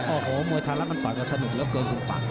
โอ้โหมวยท่านรักมันปล่อยด้วยสนิทแล้วเกินผุ้นฝั่ง